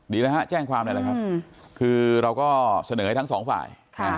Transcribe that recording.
ดีนะฮะแจ้งความหน่อยนะครับคือเราก็เสนอให้ทั้งสองฝ่าย